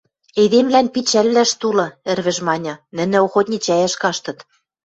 — Эдемвлӓн пичӓлвлӓштӹ улы, — ӹрвӹж маньы, — нӹнӹ охотничӓйӓш каштыт.